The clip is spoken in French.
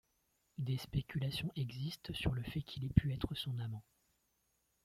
Des spéculations existent sur le fait qu'il ait pu être son amant.